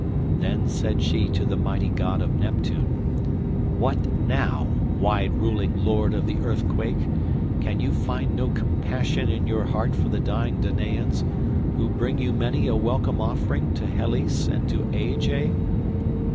Then said she to the mighty god of Neptune, "What now, wide ruling lord of the earthquake? Can you find no compassion in your heart for the dying Danaans, who bring you many a welcome offering to Helice and to Aegae?